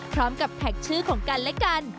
พร้อมกับแท็กชื่อของกันและกัน